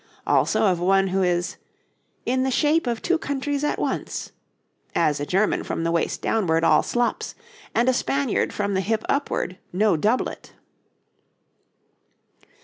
Also of one who is 'in the shape of two countries at once, as a German from the waist downwards all slops, and a Spaniard from the hip upward, no doublet.'